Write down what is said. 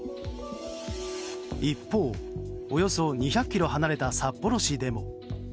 一方、およそ２００ｋｍ離れた札幌市でも。